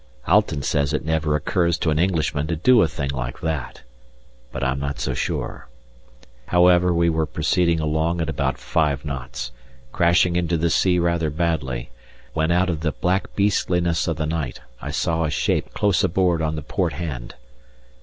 Alten says it never occurs to an Englishman to do a thing like that, but I'm not so sure. However, we were proceeding along at about five knots, crashing into the sea rather badly, when out of the black beastliness of the night I saw a shape close aboard on the port hand.